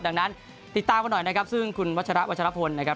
ดังนั้นติดตามกันหน่อยนะครับซึ่งคุณวัชระวัชรพลนะครับ